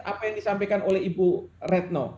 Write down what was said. apa yang disampaikan oleh ibu retno